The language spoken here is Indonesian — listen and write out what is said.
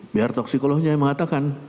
biar toksikolognya yang mengatakan